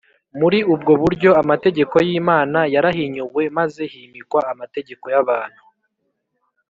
muri ubwo buryo amategeko y’imana yarahinyuwe maze himikwa amategeko y’abantu